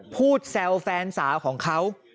พูดแซวแฟนสาของเขา